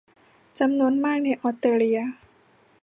จำนวนมากไปออสเตรเลีย